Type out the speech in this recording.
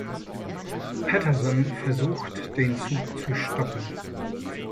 Patterson versucht, den Zug zu stoppen.